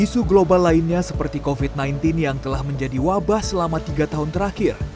isu global lainnya seperti covid sembilan belas yang telah menjadi wabah selama tiga tahun terakhir